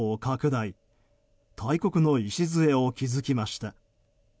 大国の礎を築きました。